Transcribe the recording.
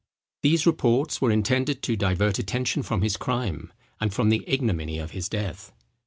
These reports were intended to divert attention from his crime, and from the ignominy of his death.